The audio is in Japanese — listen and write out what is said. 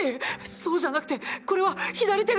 そうじゃなくてこれは左手が！